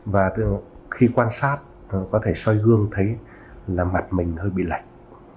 và khi quan sát có thể xoay gương thấy là mặt mình hơi bị lạnh